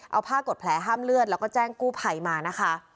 เอาผ้ากดแผลห้ามเลือดแล้วก็แจ้งกู้ภัยมานะคะ